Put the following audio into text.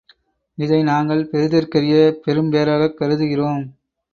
இதை நாங்கள் பெறுதற்கரிய பெரும் பேறாகக் கருதுகிறோம்.